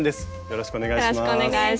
よろしくお願いします。